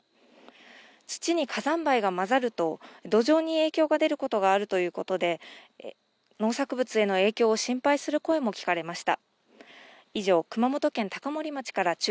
土に火山灰が混ざると土壌に影響が出ることがあるということで農作物への影響を心配する声も聞かれました。